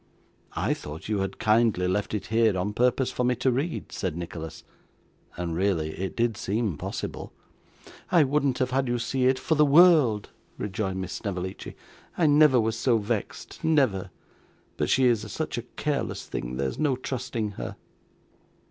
'I thought you had kindly left it here, on purpose for me to read,' said Nicholas. And really it did seem possible. 'I wouldn't have had you see it for the world!' rejoined Miss Snevellicci. 'I never was so vexed never! But she is such a careless thing, there's no trusting her.